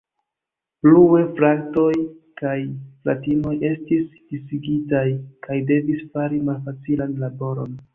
Plue, fratoj kaj fratinoj estis disigitaj kaj devis fari malfacilan laboron.